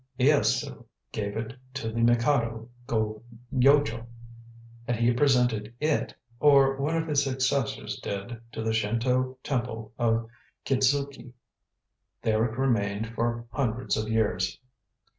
Ieyasu gave it to the Mikado Go Yojo, and he presented it or one of his successors did to the Shinto Temple of Kitzuki. There it remained for hundreds of years."